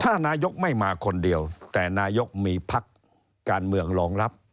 ถ้านายกไม่มาคนเดียวแต่นายกมีพักการเมืองรองรับ